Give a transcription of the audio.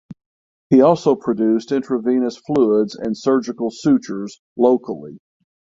He also produced intravenous fluids and surgical sutures locally.